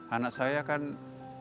anak saya kan tidak bisa berpikir pikir